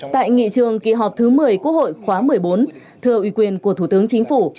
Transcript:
tại nghị trường kỳ họp thứ một mươi quốc hội khóa một mươi bốn thừa ủy quyền của thủ tướng chính phủ